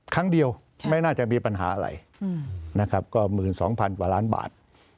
ครั้งเดียวไม่น่าจะมีปัญหาอะไรนะครับก็๑๒๐๐๐กว่าล้านบาท